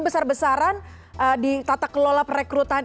besar besaran di tata kelola perekrutan